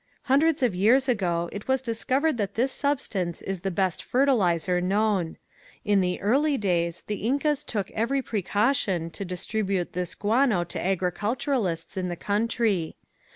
Hundreds of years ago it was discovered that this substance is the best fertilizer known. In the early days the Incas took every precaution to distribute this guano to agriculturists in the country.